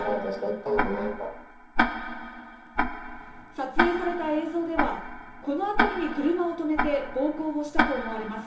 撮影された映像ではこの辺りに車を止めて暴行をしたと思われます。